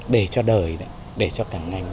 để cho đời để cho cả ngành